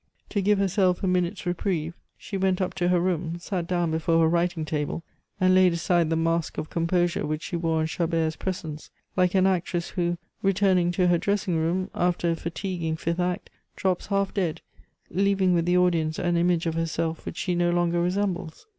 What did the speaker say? To give herself a minute's reprieve she went up to her room, sat down before her writing table, and laid aside the mask of composure which she wore in Chabert's presence, like an actress who, returning to her dressing room after a fatiguing fifth act, drops half dead, leaving with the audience an image of herself which she no longer resembles.